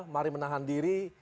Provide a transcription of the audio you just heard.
mari menahan diri